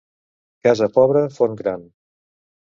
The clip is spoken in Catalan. Casa pobra, forn gran.